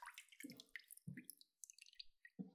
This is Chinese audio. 是松花江下游沿岸重要的内河港口和农垦基地。